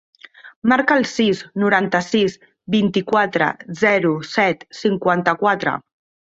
Marca el sis, noranta-sis, vint-i-quatre, zero, set, cinquanta-quatre.